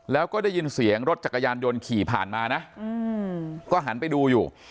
แล้วก็ได้ยินเสียงรถจักรยานยนต์ขี่ผ่านมานะก็หันไปดูอยู่